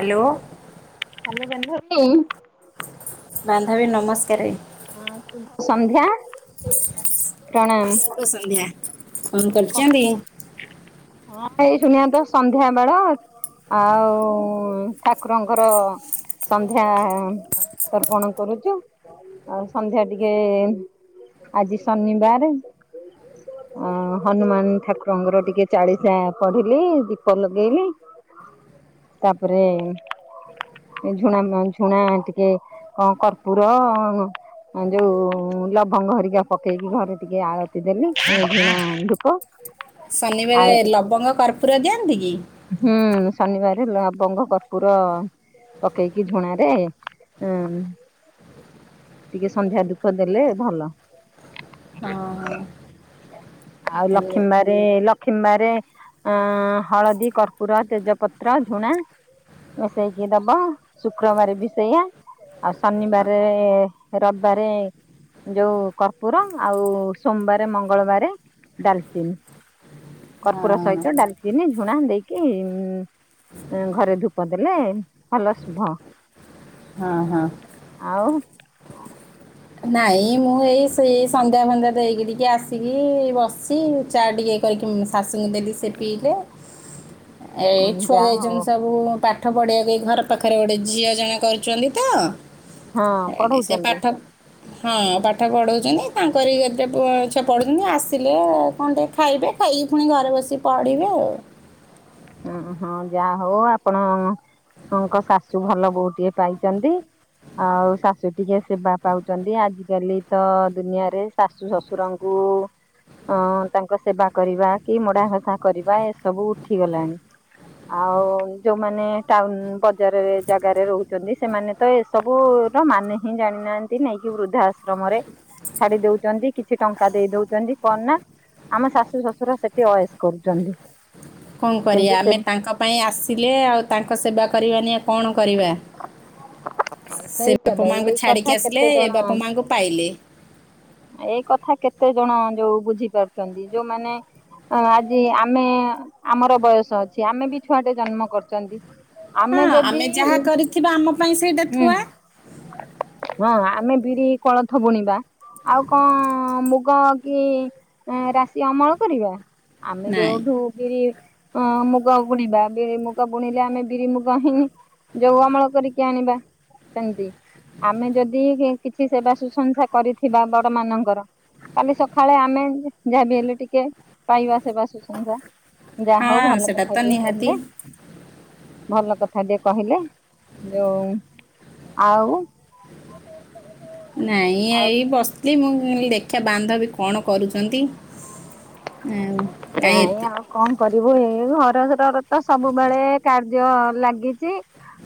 Hello? Hello ଗେଲହୁ ଲୋ ବାନ୍ଧବୀ ନମସ୍କାର ହଁ ଶୁଭସନ୍ଧ୍ୟା ଶୁଭସନ୍ଧ୍ୟା କଣ କରୁଚନ୍ତି? ହଁ ଏଇ ଶୁଣିବା ତ ସନ୍ଧ୍ୟାବେଳ। ଆଉ ଠାକୁରଙ୍କର ସନ୍ଧ୍ୟା ତର୍ପଣ କରୁଚୁ ଆଉ ସନ୍ଧ୍ୟା ଟିକେ ଆଜି ଶନିବାର ଅ-ହନୁମାନ ଠାକୁରଙ୍କର ଟିକେ ଚାଳିଶା ପଢିଲି ଦୀପ ଲଗେଇଲି ତାପରେ ଝୁଣା ମାଇଁ ଝୁଣା ଟିକେ କଣ କର୍ପୁର ଆମ ଯୋଉ ଲବଙ୍ଗ ହରିକା ପକେଇକି ଘରେ ଟିକେ ଆଳତି ଦେଲି ଝୁଣା ଧୂପ। ହ [inaudible] ଶନିବାରେ ଲବଙ୍ଗ କର୍ପୁର ଦିଅନ୍ତି କି? ହୁଁ ଶନିବାର ଲବଙ୍ଗ କର୍ପୁର ପକେଇକି ଝୁଣା ରେ ହଁ ଟିକେ ସନ୍ଧ୍ୟା ଧୂପ ଦେଲେ ଭଲ। ହଁ ଆଉ ହଁ ଲକ୍ଷ୍ମୀ ବାରୀ ଲ ଲକ୍ଷ୍ମୀ ବାରେ ଅଁ ହଳଦୀ କର୍ପୁର ତେଜପତ୍ର ଝୁଣା ମିସେଇକି ଦବ ଶୁକ୍ରବାର ବି ସେଇଆ ଆଉ ଶନିବାରେ ରବିବାରେ ଯୋଉ କର୍ପୂୁର ଆଉ ସୋମବାର ମଙ୍ଗଳବାର ଡାଲଚିନି। କର୍ପୁର ସହିତ ଡାଲଚିନି ଝୁଣା ଦେଇକି ଉଁ ଘରେ ଧୂପ ଦେଲେ ଭଲ ଶୁଭ। ହଁ ହଁ। ଆଉ। ନାଇଁ ମୁଁ ଏଇ ସେଇ ସନ୍ଧ୍ୟା ସନ୍ଧ୍ୟା ଦେଇକି ଟିକେ ଆସିକି ବସି ଚା ଟିକେ କରିକି ଶାଶୁଙ୍କୁ ଦେଲି ସେ ପିଇଲେ ହ [inaudible] ଏଇ ଛୁଆ ଯାଇଛନ୍ତି ସବୁ ପା ପାଠ ପଢ଼ିବାକୁ ଘର ପାଖରେ ଗୋଟେ ଝିଅ ଜଣେ କରୁଛନ୍ତି ହଁ ତ ସେ ପଢଉଛନ୍ତି ପାଠ ହଁ ପାଠ ପଢଉଛନ୍ତି ତାଙ୍କରି [unintelligible] ପଢୁଛନ୍ତି ଆସିଲେ କଣ ଟିକେ ଖାଇବେ। ଖାଇକି ପୁଣି ଘରେ ବସି ପଢିବେ ଆଉ ହ [inaudible] ଓ ହଁ ଯାହା ହଉ ଆପଣଙ୍କ ଶାଶୁ ଭଲ ବୋହୂଟିଏ ପାଇଛନ୍ତି। ଆଉ ଶାଶୁ ଟିକେ ସେବା ପାଉଛନ୍ତି ଆଜିକାଲି ତ ଦୁନିଆରେ ଶାଶୁ ଶ୍ୱଶୁରଙ୍କୁ ଅଁ ତାଙ୍କ ସେବା କରିବା କି ମୋଡା ଘସା କରିବା ଏସବୁ ଉଠିଗଲାଣି ହ [inaudible] ଆଉ ଯୋଉମାନେ ଟାଉନ ବଜାରରେ ଜାଗାରେ ରହୁଛନ୍ତି ସେମାନେ ତ ଏସବୁ ମାନେ ହିଁ ଜାଣିନାହାନ୍ତି ନେଇକି ବୃଦ୍ଧା ଆଶ୍ରମରେ ଛାଡି ଦଉଛନ୍ତି କିଛି ଟଙ୍କା ଦେଇ ଦଉଛନ୍ତି କଣ ନା ଆମ ଶାଶୁ ଶ୍ୱଶୁର ସେଠି ଅଏସ୍ କରୁଛନ୍ତି। କଣ କିନ୍ତୁ କରିବା ସେ ଆମେ ତାଙ୍କ ପାଇଁ ଆସିଲେ ଆଉ ତାଙ୍କ ସେବା କରିବା ନିି କଣ କରିବା ସେ ସେଇଟା ବାପା ତ ମାଙ୍କୁ ଏଇ ଛାଡିକି କଥା ଆସିଲେ କେତେ ଏ ଜଣ ବାପା ମାଙ୍କୁ ପାଇଲେ ଏଇ କଥା କେତେ ଜଣ ଯୋଉ ବୁଝି ପାରୁଛନ୍ତି ଯୋଉମାନେ ଅ ଆଜି ଆମେ ଆମର ବୟସ ଅଛି ଆମେ ବି ଛୁଆଟେ ଜନ୍ମ କରିଛନ୍ତି। ହଁ ଆମେ ଯଦି ଯାହା କରିଥିବା ଆମ ପାଇଁ ସେଇଟା ହୁଁ ଥୁଆ ହଁ ଆମେ ବିରି କୋଳଥ ବୁଣିବା ଆଉ କଣ ମୁଗ କି ରାଶି ଅମଳ କରିବା। ଆମେ ଯୋଉ ନାଇଁ ଠୁ ବିରି ହଁ ମୁଗ ବୁଣିବା ବିରି ମୁଗ ବୁଣିଲେ ଆମେ ବିରି ମୁଗ ହିଁ ଯୋଉ ଅମଳ କରିକି ଆଣିବା। ସେମତି ଆମେ ଯଦି କିଛି ସେବା ସୁଶଂସା କରିଥିବା ବଡ ମାନଙ୍କର କାଲି ସକାଳେ ଆମେ ଯାହା ବି ହେଲେ ଟିକେ ପାଇବା ସେବା ସୁଶ୍ରୁସା ଯା ହଉ ହଁ ଭଲ ସେଟା ତ କଥା ଟିଏ ନିହାତି କହିଲେ ଭଲ କଥା ଟିକେ କହିଲେ ଯୋଉ ଆଉ ଓ ହୋ ହ [inaudible] ନାଇଁ ଏଇ ବସିଥିଲି ମୁଁ ଦେଖିବା ବାନ୍ଧବୀ କଣ କରୁଛନ୍ତି। ଆ ନାଇଁ କାୟପ ଆଉ କଣ [inaudible] କରିବୁ ଏଇ ଘର ଘରର ତ ସବୁବେଳେ କାର୍ଯ୍ୟ ଲାଗିଛି।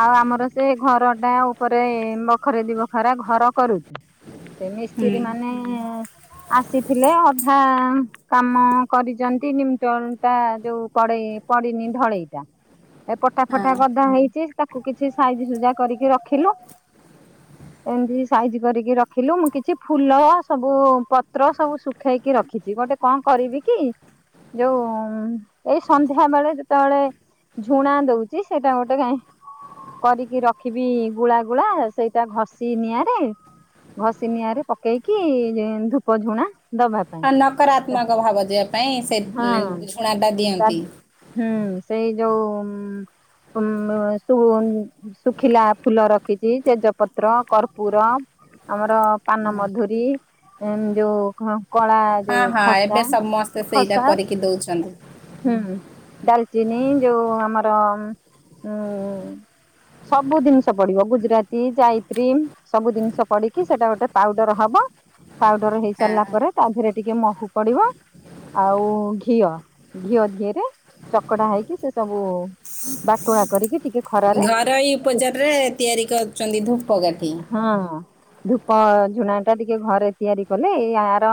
ଆଉ ଆମର ସେ ଘର ଟା ଉପରେ ଏ ବଖରେ ଦି ବଖରା ଘର କରୁଛୁ। ସେ ହୁଁ ମିସ୍ତ୍ରୀ ମାନେ ଆସିଥିଲେ ଅଧା କାମ କରିଛନ୍ତି ନିମଟନଟା ଯୋଉ ପଡେ ପଡିିନି ଢଳେଇଟା ଏ ପଟା ଫଟା ହଁ ଗଧା ହେଇଛି ତାକୁ କିଛି ସାଇଜି ସୁଜା କରିକି ରଖିଲୁ ଏମିତି ସାଇଜ କରିକି ରଖିଲୁ ମୁଁ କିଛି ଫୁଲ ସବୁ ପତ୍ର ସବୁ ଶୁଖେଇକି ରଖିଛି। ଗୋଟେ କଣ କରିବି କି ଯୋଉ ଏଇ ସନ୍ଧ୍ୟା ବେଳେ ଯେତେବେଳେ ଝୁଣା ଦଉଛି ସେଇଟା ଗୋଟେ କାହିଁ କରିକି ରଖିବି ଗୁଳା ଗୁଳା ସେଇଟା ଘଷି ନିଆଁରେ ଘଷି ନିିଆଁ ରେ ପକେଇକି ଧୂପ ଝୁଣା ଦବା ପାଇଁ। ହଁ ନକାରାତ୍ମକ ଭାବ ଯେ ପାଇଁ ସେ ହଁ ଝୁଣା ଟା ତା ଦିଅନ୍ତି। ହୁଁ ସେଇ ଯୋଉ ଉ ଶୁ ଶୁଖିଲା ଫୁଲ ରଖିଛି ତେଜପତ୍ର କର୍ପୂୁର ଆମର ପାନମଧୁରୀ ଯୋଉ କଳା ହଁ ଯୋଉ ହଁ ଖସା ଏବେ ସମସ୍ତେ ସେଇଟା ଖସା କରିକି ଦଉଛନ୍ତି। ହୁଁ। ଡାଲଚିନି ଯୋଉ ଆମର ଉଁ ସବୁ ଜିନିଷ ପଡିବ ଗୁଜୁରାତି ଯାୟିତ୍ରୀ ସବୁ ଜିନିଷ ପଡିକି ସେଇଟା ଗୋଟେ ପାଉଡର ହବ ପାଉଡର ହେଇ ହଁ ସାରିଲା ପରେ ତା ଦେହରେ ଟିକେ ମହୁ ପଡିବ ଆଉ ଘିଅ ଘିଅ ଦିଏରେ ଚକଡା ହେଇକି ସେ ସବୁ ବାକୁଣା କରିକି ଟିକେ ଖରାରେ ଘରୋଇ ଉପଚାର ରେ ତିଆରି କରୁଛନ୍ତି ଧୂପକାଠି। ହଁ ଧୂପ ଝୁଣା ଟା ଟିକେ ଘରେ ତିଆରି କଲେ ଏଇ ଆର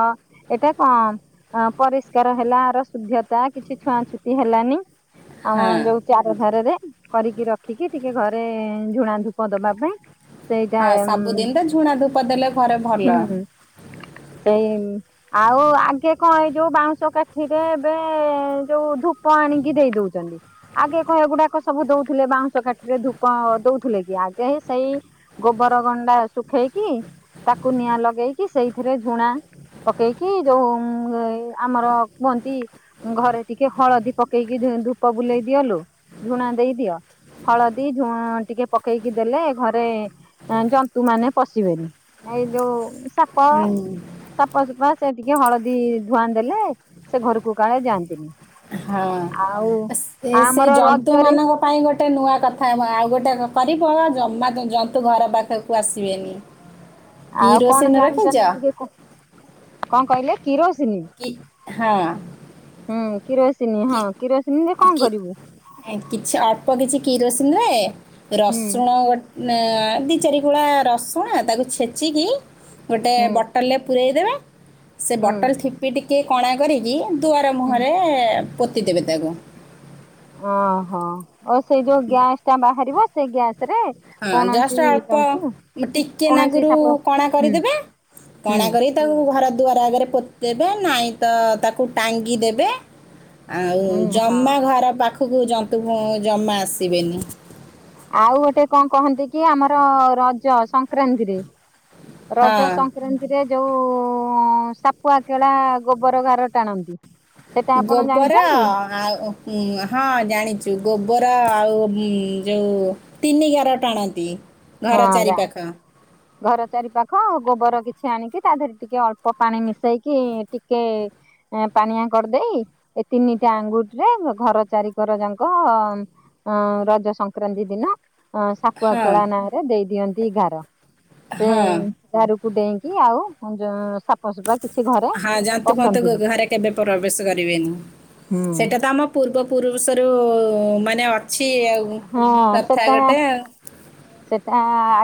ଏଇଟା କଣ ପରିଷ୍କାର ହେଲା ଆର ଶୁଦ୍ଧତା କିଛି ଛୁଆଁଛୁତି ହେଲାନି ଆମ ହଁ ଯୋଉ ଚାରଧାରରେ କରିକି ରଖିକି ଟିକେ ଘରେ ଝୁଣା ଧୂପ ଦବା ପାଇଁ ସେଇଟା ହଁ ହୁଁ ସବୁଦିନ ତ ଝୁଣା ଧୂପ ଦେଲେ ଘରେ ଭଲ। ହୁଁ। ସେଇ ଆଉ ଆଗେ କଣ ଏଇ ଯୋଉ ବାଉଁଶ କାଠିରେ ଏବେ ଯୋଉ ଧୂପ ଆଣିକି ଦେଇ ଦଉଛନ୍ତି ଆଗେ କଣ ଏଗୁଡା ସବୁ ଦଉଥିଲେ ବାଉଁଶ କାଠିରେ ଧୂପ ଦଉଥିଲେ କି ଆଗେ ସେଇ ଗୋବର ଗଣ୍ଡା ଶୁଖା ପଠେଇକି ତାକୁ ନିଆଁ ଲଗେଇକି ସେଇଥିରେ ଝୁଣା ପକେଇକି ଯୋଉ ଆମର କୁହନ୍ତି ଘରେ ଟିକେ ହଳଦୀ ପକେଇକି ଧୂପ ବୁଲେଇ ଦିଅଲ ଝୁଣା ଦେଇ ଦିଅ। ହଳଦୀ ଝୁଣ ଟିକେ ପକେଇକି ଦେଲେ ଘରେ ଜନ୍ତୁ ମାନେ ପଶିବେନି। ଏଇ ଯୋଉ ସାପ ହୁଁ ସାପସୁପା ସେ ଟିକେ ହଳଦୀ ଧୂଆଁ ଦେଲେ ସେ ଘରକୁ କାଳେ ଯାଆନ୍ତିନି। ହଁ ଆଉ ସେ ଆମର ରଜରେ ଜନ୍ତୁମାନଙ୍କ ପାଇଁ ଗୋଟେ ନୂଆ କଥା ହେବ ଆଉ ଗୋଟେ କରିବ ଜମା ଜନ୍ତୁ ଘର ପାଖକୁ ଆସିବେନି। ଆଉ କଣ କିରୋସିନ ରଖିଛ? ଜାଣିଛନ୍ତି ଟିକେ କ କଣ କହିଲେ କିରୋଜ କି ହଁ। କିରୋସିନୀ କି ହଁ କିରୋସିନୀ କଣ କି କରିବୁ? କିଛି ଅଳ୍ପ କିଛି କିରୋସିନ ରେ ହୁଁ ରସୁଣ ଗ ଦି ଚାରିଗୁଳା ରସୁଣ ତାକୁ ଛେଚିକି ଗୋଟେ ହୁଁ ବଟଲରେ ପୂରୋଇ ଦେବେ ସେ ହୁଁ ବଟଲ ଠିପି ଟିକିଏ କଣା କରିକି ଦୁଆର ହୁଁ ମୁହଁରେ ପତି ଦେବେ ତାକୁ। ଓହୋ ଓ ସେଇ ଯୋଉ ଗ୍ୟାସ୍ ଟା ବାହାରିବ ସେ ଗ୍ୟାସ୍ ହଁ ଜଷ୍ଟ ଅଳ୍ପ ଟିକେ କୌଣସି ନାଗରୁ ସାପ କଣା ହୁଁ କରିଦେବେ ହୁଁ କଣା କରି ତାକୁ ଘର ଦୁଆର ଆଗରେ ପୋତି ଦେବେ ନାଇଁ ତ ତାକୁ ଟାଙ୍ଗି ଦେବେ ଆଉ ହୁଁ ହଁ ଜମା ଘର ପାଖକୁ ଜନ୍ତୁ ଜମା ଆସିବେନି। ଆଉ ଗୋଟେ କଣ କହନ୍ତି କି ଆମର ରଜ ସଂକ୍ରାନ୍ତିରେ ରଜ ହଁ ସଂକ୍ରାନ୍ତିରେ ଯୋଉ ସାପୁଆ କେଳା ଗୋବର ଘାର ଟାଣନ୍ତି। ସେଟା ଆପଣ ଗୋବର ଜାଣିଛନ୍ତି? ଆଉ ହଁ ଜାଣିଛୁ। ଗୋବର ଆଉ ଯୋଉ ତିନି ଗାର ଟାଣନ୍ତି। ଘର ହଁ ଚାରି ଯା ପାଖ। ଘର ଚାରି ପାାଖ ଗୋବର କିଛି ଆଣିକି ତା ଦେହରେ ଟିକେ ଅଳ୍ପ ପାଣି ମିଶେଇକି ଟିକେ ପାଣିଆ କରିଦେଇ ଏ ତିନିଟା ଆଙ୍ଗୁଠିରେ ଘର ଚାରିି କରଯାଁକ ଅଁ-ଅଁ ରଜ ସଂକ୍ରାନ୍ତି ଦିନ ଅଁ ସାପୁଆ ହଁ କେଳା ନାଁ ରେ ଦେଇ ଦିଅନ୍ତି ଗାର, ସେ ହଁ ଗାରକୁ ଡେଇଁକି ଆଉ ଯୋଁଉ ସାପ୍ ହଁ ଯାଆନ୍ତୁ ମତେ ଘରେ କେବେ ପ୍ରବେଶ କରିବେନି। ହୁଁ ସେଇଟା ତ ଆମ ପୂର୍ବ ପୁରୁଷରୁ ମାନେ ଅ ହଁ ସେଟା ଆଉ ସେଟା [inaudible] ଆ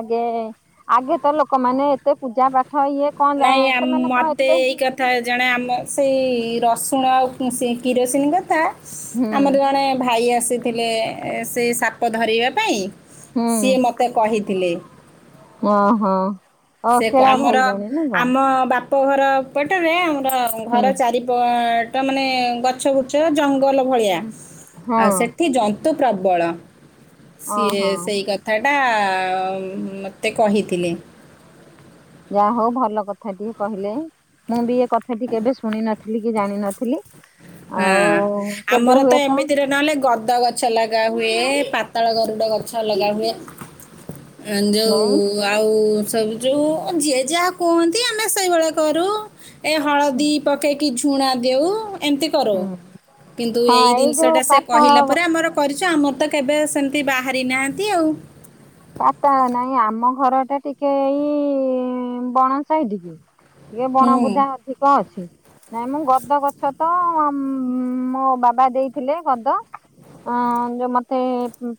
ଆଗେ ତ ଲୋକମାନେ ଏତେ ପୂଜା ପା ନାଇଁ ଆମ୍ ମତେ ଏଇ କଥା ଜଣେ ଆମ ସେଇ ର ରସୁଣ ଆଉ ସେଇ କିରୋସିନ୍ କଥା ହୁଁ ଆମର ଜଣେ ଭାଇ ଆସ୍ ଥିଲେ ସେ ସାପ ଧରିବା ପାଇଁ ସିଏ ମୋତେ କହିଥିଲେ। ଓହୋଃ। ସେ କ ଆମର ଆମ ବାପ୍ ବାପଘର ପଟରେ ଆମର ଘର ହୁଁ ଚାରିପଟ ମାନେ ଗଛଗୁଛ ଜଙ୍ଗ୍ ଜଙ୍ଗଲ ଭଳିଆ ହଁ ଆଉ ସେଠି ଜନ୍ତୁ ପ୍ରବଳ। ସିଏ ଓହୋ ସେଇ କଥାଟା ମତେ କହିଥିଲେ। ଯାହା ହଉ ଭଲ କଥାଟିଏ କହିଲେ ମୁଁ ବି ଏ କଥାଟି କେବେ ଶୁଣିନ ଥିଲି କି ଜାଣିିନଥିଲି। ହଁଅ-ଅ ଆମର ତ ଏମିତିରେ ନହେଲେ ଗଦ୍ ଗଦ ଗଛ ଲଗା ହୁଏ ପାାତାଳ ଗରୁଡ ଗଛ ଲଗା ହୁଏ। ଯୋଉ ନାଇଁ ଆଉ ସବୁୁ ଯୋଉ ଯିଏ ଯାହା କୁହନ୍ତି ଆମେ ସେଇଭଳିଆ କରୁ ଏ ହୁଁ ହଳଦୀ ପକେଇକି ଝୁ ଝୁଣା ଦେଉ ଏମିତି କରୁ, ହୁଁ କିନ୍ତୁ ହଁ ଏଇ ଯୋଉ ଜିନିଷଟା ସେ କହିଲା ପାତାଳ ପରେ ଆମର କରି ଛୁ ଆମର ତ କେବେ ସେମିତି ବାହାରି ନାହାଁନ୍ତି ଆଉ ସାପ ନାଇଁ ଆମ ଘରଟା ଟିକେ ଏଇ-ଇ-ଇ-ଇ ବଣ ‌ସାଇଟିକି ଟିକେ ହୁଁ ବଣବୁଦା ଅଧିକା ଅଛି। ନାଇଁ ମୁଁ ଗଦ ଗଛ ତ ମୋ ବାବା ଦେଇଥିଲେ ଗଦ ଅଁ-ଅଁ ଯୋଉ ମତେ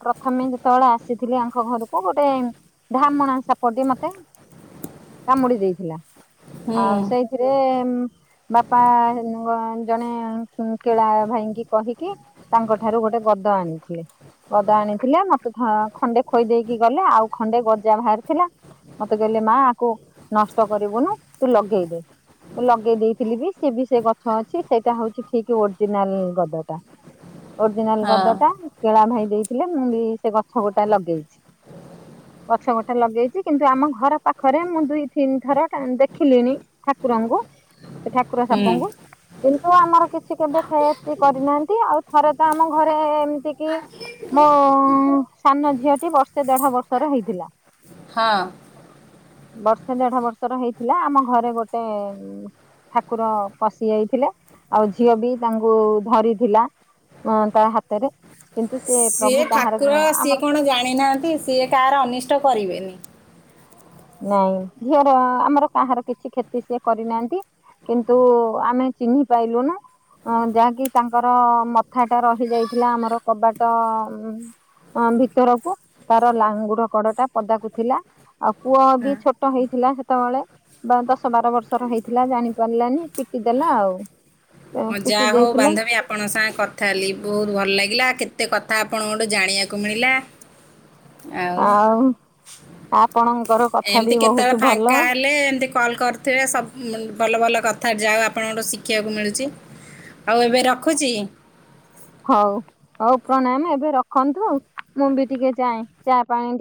ପ୍ରଥମେ ଯେତେବେଳେ ଆସିଥିଲି ଆଙ୍କ ଘରକୁ। ତ ଗୋଟେ ଢାମଣା ସାପଟି ମତେ କାମୁଡି ଦେଇଥିଲା। ହୁଁ ଆଉ ସେଇଥିରେ ବାପା ଜଣେ କେଳା ଭାଇଙ୍କି କହିକି ତାଙ୍କ ଠାରୁ ଗୋଟେ ଗଦ ଆଣିଥିଲେ ଗଦ ଆଣିଥିଲେ ମତେ ଖ ଖଣ୍ଡେ ଖୋଇ ଦେଇକି କି ଗଲେ ଆଉ ଖଣ୍ଡେ ଗଜା ବାହାରିଥିଲା। ମତେ କହିଲେ ମାଆ ଆକୁ ନଷ୍ଟ କରିବୁନୁ ତୁ ଲଗେଇଦେ। ଲଗେଇ ଦେଇଥିଲି ବି ସେ ବି ସେ ଗଛ ଅଛି ସେଇଟା ହଉଛି ଠିକ୍ ଓରିଜିନାଲ ଗଦଟା। ଓରିଜିନାଲ ହଁ ଗଦଟା କେଳା ଭାଇ ଦେଇଥିଲେ ମୁଁ ବି ସେ ଗଛ ଗୋଟା ଲଗେଇଛି। ଗଛ ଗୋଟେ ଲଗେଇଛି କିନ୍ତୁ ଆମ ଘର ପାଖରେ ମୁଁ ଦୁଇ ତିନି ଥର ଠା ଦେଖିଲିଣି ଠାକୁରଙ୍କୁ। ଙ୍କୁ ସେ ଠାକୁର ହୁଁ ସାପଙ୍କୁ କିନ୍ତୁ ଆମର କି କିଛି କେବେ କ୍ଷତି କରିନାହାନ୍ତି ଆଉ ଥରେ ତ ଆମ ଘରେ ଏମିତିକି ମୋ ସାନ ଝିଅଟି ବର୍ଷ୍ ସେ ଦେଢ ବର୍ଷର ହେଇଥିଲା। ହଁ ବର୍ଷେ ଦେଢ ବର୍ଷର ହେଇଥିଲା ଆମ ଘରେ ଗୋଟେ ଠାକୁର ପଶି ଯାଇଥିଲେ ଆଉ ଝିଅ ବି ତାଙ୍କୁ ଧରିଥିଲା। [inaudible] ତା ହାତରେ। କିନ୍ତୁ ସେ ସିଏ ପ୍ରଭୁ କାହାର ଠାକୁର ଆମର ସିଏ କଣ ଜାଣିନାହାନ୍ତି। ସିଏ କାହାର ଅନିଷ୍ଟ କରିବେନି। ନାଇଁ ଝିଅର ଆମର କାହାର କିଛି କ୍ଷତି ସେ କରିନାହାନ୍ତି। କିନ୍ତୁ ଆମେ ଚିହ୍ନି ପାଇଲୁ ନାଇ। ଅ ଯାହାକି ତାଙ୍କର ମଥା ଟା ରହି ଯାଇଥିଲା ଆମର କବାଟ ଅ ଭିତରକୁ ତାର ଲାଙ୍ଗୁଡ କଡଟା ପଦାକୁ ଥିଲା। ପୁଅ ବି ହଁ ଛୋଟ ହେଇଥିଲା ସେତେବେଳେ, ଦଶ ବାର ବର୍ଷର ହେଇଥିଲା, ଜାଣି ପାରିଲାନି ପିଟି ଦେଲା ଆଉ ହଁ ପିଟି ଯାହା ହୋଉ ଦେଇଥିଲା ବାନ୍ଧବୀ ଆପଣଙ୍କ ସାଙ୍ଗେ କଥା ହେଲି, ବହୁତ ଭଲ ଲାଗିଲା। ଏତେ କଥା ଆପଣଙ୍କଠୁ ଜାଣିବାକୁ ମିଳିଲା। ଆଉ ଆପଣ। ଏମତି କେତେବେଳେ ଫାଙ୍କା ହେଲେ ଏମିତି କଲ କରିୁଥିବେ, ସବୁ ଭଲ ଭଲ। କଥା ଯାହା ଆପଣଙ୍କଠୁ ଶିଖିବାକୁ ମିଳୁଛି। ଆଉ ଏବେ ରଖୁଛି। ହଉ। ହଉ ପ୍ରଣାମ, ଏବେ ରଖନ୍ତୁ, ମୁଁ ବି ଟିକେ ଯାଏଚା ପାଣି ଟିକେ।